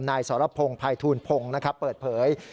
นายสรพงศ์ภัยทูลพงศ์เปิดเผย